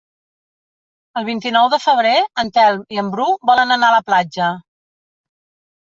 El vint-i-nou de febrer en Telm i en Bru volen anar a la platja.